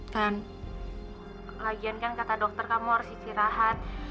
kan lagian kan kata dokter kamu harus istirahat